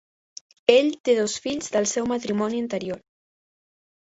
Ell té dos fills del seu matrimoni anterior.